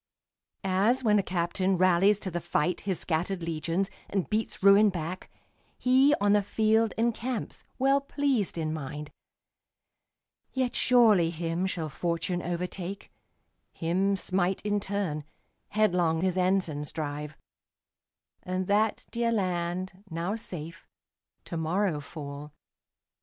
As when a captain rallies to the fight His scattered legions, and beats ruin back, He, on the field, encamps, well pleased in mind. Yet surely him shall fortune overtake, Him smite in turn, headlong his ensigns drive; And that dear land, now safe, to morrow fall.